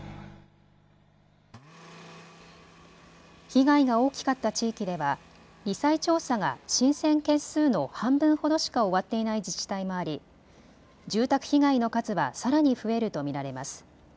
被害が大きかった地域ではり災調査が申請件数の半分ほどしか終わっていない自治体もあり住宅被害の数はさらに増えると見られます。